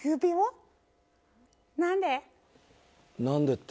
何で？